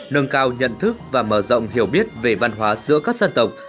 nâng cao nhận thức và mở rộng hiểu biết về văn hóa giữa các dân tộc